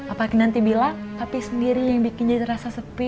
apa kinanti bilang papi sendiri yang bikin jadi terasa sepi